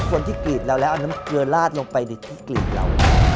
กรีดเราแล้วเอาน้ำเกลือลาดลงไปในที่กลีบเรา